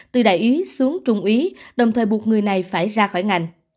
từ đại úy xuống trung ý đồng thời buộc người này phải ra khỏi ngành